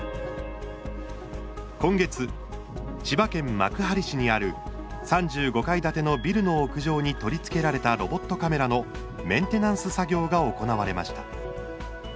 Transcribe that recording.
今月、千葉県幕張市にある３５階建てのビルの屋上に取り付けられたロボットカメラのメンテナンス作業が行われました。